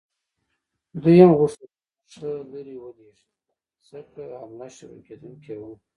دوی هم غوښتل چې موږ ښه لرې ولیږي، ځکه حمله شروع کېدونکې وه.